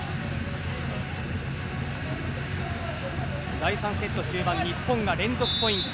第３セット、中盤日本が２連続ポイント。